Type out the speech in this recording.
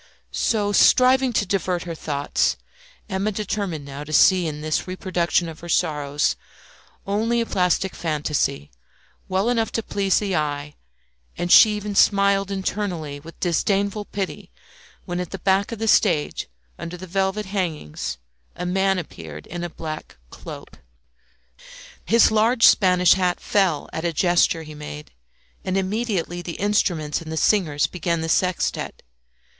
So, striving to divert her thoughts, Emma determined now to see in this reproduction of her sorrows only a plastic fantasy, well enough to please the eye, and she even smiled internally with disdainful pity when at the back of the stage under the velvet hangings a man appeared in a black cloak. His large Spanish hat fell at a gesture he made, and immediately the instruments and the singers began the sextet.